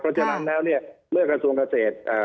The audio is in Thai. เพราะฉะนั้นแล้วเนี่ยเมื่อกระทรวงเกษตร